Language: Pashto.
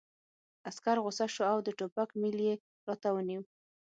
عسکر غوسه شو او د ټوپک میل یې راته ونیو